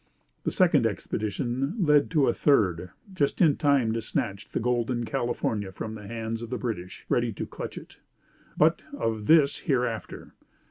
The second expedition led to a third, just in time to snatch the golden California from the hands of the British, ready to clutch it. But of this hereafter.